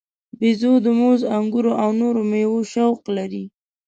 بیزو د موز، انګورو او نورو میوو شوق لري.